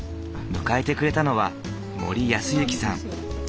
迎えてくれたのは森泰之さん。